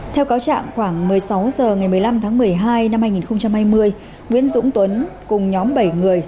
theo cáo trạng khoảng một mươi sáu h ngày một mươi năm tháng một mươi hai năm hai nghìn hai mươi nguyễn dũng tuấn cùng nhóm bảy người